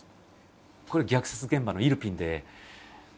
これ虐殺現場のイルピンで。